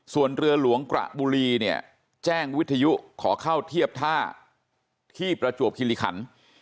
ส่วนเรือหลวงกระบุรีเนี่ยแจ้งวิทยุขอเข้าเทียบท่าที่ประจวบคิริขัน